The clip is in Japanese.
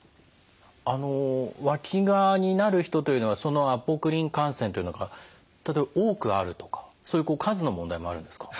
わきがになる人というのはそのアポクリン汗腺というのが例えば多くあるとか数の問題もあるんですか？